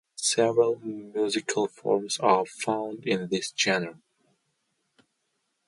Several musical forms are found in this genre.